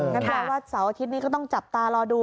งั้นแปลว่าเสาร์อาทิตย์นี้ก็ต้องจับตารอดู